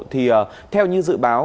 thì theo như dự báo